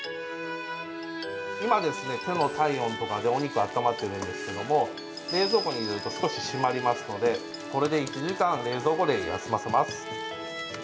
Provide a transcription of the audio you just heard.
今ですね、手の体温とかでお肉が温まっているんですけども冷蔵庫に入れると少し締まりますのでこれで１時間冷蔵庫で休ませます。